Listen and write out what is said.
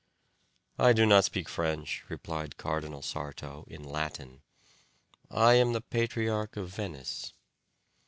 "I do not speak French," replied Cardinal Sarto, in Latin; "I am the patriarch of Venice."